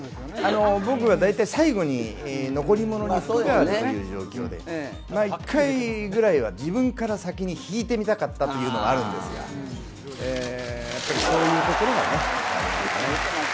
僕は大体最後に残り物に福があるという状況で、１回ぐらいは自分から先に引いてみたかったというのがあるんですが、そういうところはね。